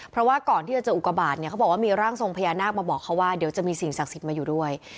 เพราะว่าก่อนที่จะเจออุกบาทเนี่ยเขาบอกว่ามีร่างทรงพญานาคมาบอกเขาว่าเดี๋ยวจะมีสิ่งศักดิ์สิทธิ์มาอยู่ด้วย